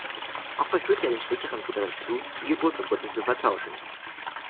Auch verführte er den schwächeren Bruder dazu, die Geburtsurkunden zu vertauschen.